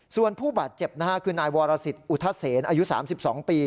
ส่วนผู้บาดเจ็บนะฮะคือนายวรสิทธิอุทธเสนอายุ๓๒ปี